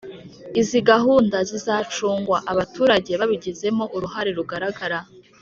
izi gahunda zizacungwa abaturage babigizemo uruhare rugaragara.